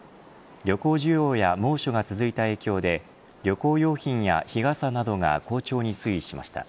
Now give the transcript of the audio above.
旅行需要や猛暑が続いた影響で旅行用品や日傘などが好調に推移しました。